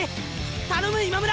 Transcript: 頼む今村！